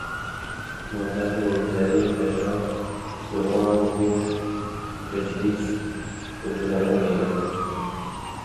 Malbatên herî hejar li Wan, Mûş, Bedlîs û Colemêrgê ne.